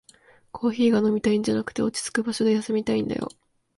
コーヒーが飲みたいんじゃなくて、落ちついた場所で休みたいんだよ